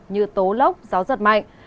như tố lốc gió giật mạnh